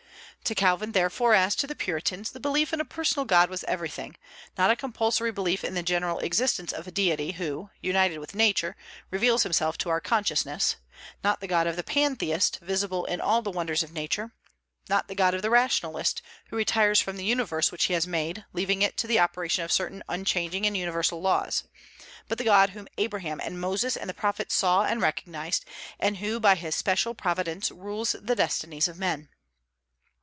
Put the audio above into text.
To Calvin therefore, as to the Puritans, the belief in a personal God was everything; not a compulsory belief in the general existence of a deity who, united with Nature, reveals himself to our consciousness; not the God of the pantheist, visible in all the wonders of Nature; not the God of the rationalist, who retires from the universe which he has made, leaving it to the operation of certain unchanging and universal laws: but the God whom Abraham and Moses and the prophets saw and recognized, and who by his special providence rules the destinies of men.